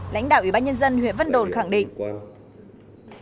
lãnh đạo ủy ban nhân dân huyện vân đồn khẳng định